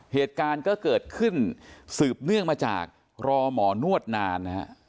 เหตุการณ์ก็เกิดขึ้นสืบเนื่องมาจากรอหมอนวดนานนะฮะ